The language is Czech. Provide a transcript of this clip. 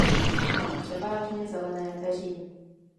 Má převážně zelené peří.